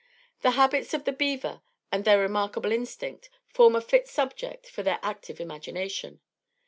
The habits of the beaver and their remarkable instinct, form a fit subject for their active imagination.